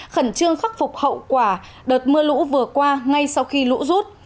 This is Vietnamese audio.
khẩn trương khắc phục hậu quả đợt mưa lũ vừa qua ngay sau khi lũ rút